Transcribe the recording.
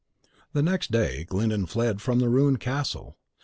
.... The next day Glyndon fled from the ruined castle.